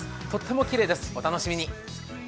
とってもきれいです、お楽しみに。